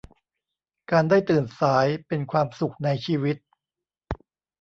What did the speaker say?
การได้ตื่นสายเป็นความสุขในชีวิต